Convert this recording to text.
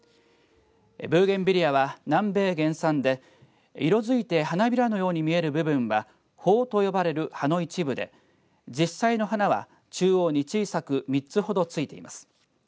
ブーゲンビリアは南米原産で色づいて花びらのように見える部分は包と呼ばれる葉の一部で実際の花は中央に小さく３つほどついています。